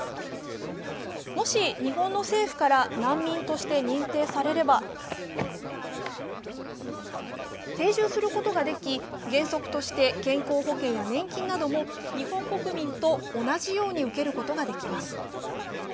もし、日本の政府から難民として認定されれば、定住することができ原則として健康保険や年金なども日本国民と同じように受けることができます。